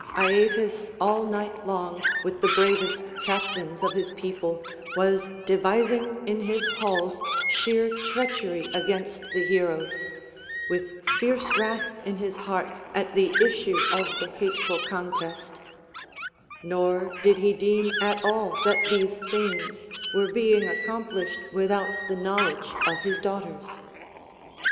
Aeetes all night long with the bravest captains of his people was devising in his halls sheer treachery against the heroes, with fierce wrath in his heart at the issue of the hateful contest; nor did he deem at all that these things were being accomplished without the knowledge of his daughters.